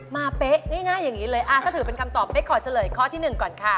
เป๊ะง่ายอย่างนี้เลยถ้าถือเป็นคำตอบเป๊กขอเฉลยข้อที่๑ก่อนค่ะ